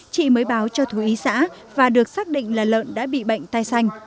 chị mới báo cho thủy ý xã và được xác định là lợn đã bị bệnh tai xanh